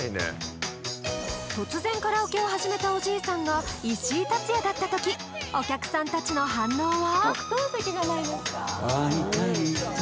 突然カラオケを始めたお爺さんが石井竜也だった時お客さんたちの反応は？